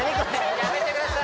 やめてください